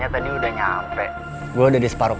yaudah kali gitu yuk